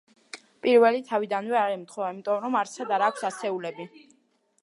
პირველი თავიდანვე არ ემთხვევა იმიტომ, რომ არსად არ გვაქვს ასეულები.